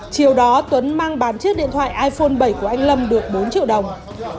chiều đó tuấn mang bán chiếc điện thoại iphone bảy của anh lâm được bốn triệu đồng